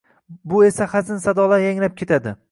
Bu esa hazin sadolar yangrab ketadi.